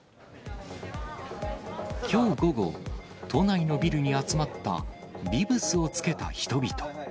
きょう午後、都内のビルに集まった、ビブスをつけた人々。